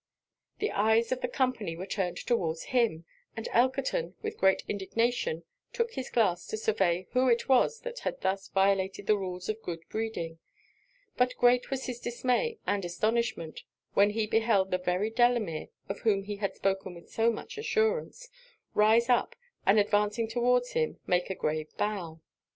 The eyes of the company were turned towards him, and Elkerton with great indignation took his glass to survey who it was that had thus violated the rules of good breeding; but great was his dismay and astonishment, when he beheld the very Delamere, of whom he had spoken with so much assurance, rise up, and advancing towards him, make a grave bow.